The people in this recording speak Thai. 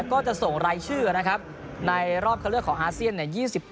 ก็จะส่งรายชื่อนะครับในรอบเข้าเลือกของอาเซียนเนี่ย